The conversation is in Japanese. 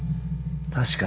確かに。